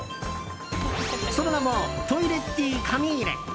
その名もトイレッティ・カミーレ。